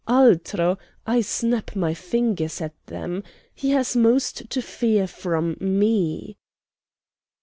Altro! I snap my fingers at them. He has most to fear from me."